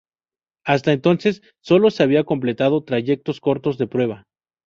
Hasta entonces solo se había completado trayectos cortos de prueba.